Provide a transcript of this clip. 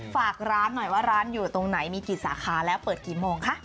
ฝากร้านหน่อยว่าร้านอยู่ตรงไหนมีกี่สาขาแล้วเปิดกี่โมงคะ